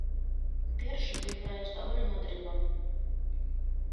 Першы выйграе з добрым адрывам.